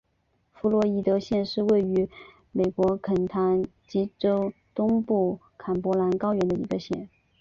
弗洛伊德县是位于美国肯塔基州东部坎伯兰高原的一个县。